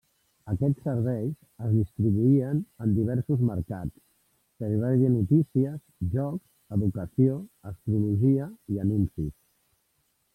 Aquests serveis es distribuïen en diversos mercats: servei de notícies, jocs, educació, astrologia i anuncis.